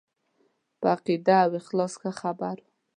په عقیده او اخلاص ښه خبر وو.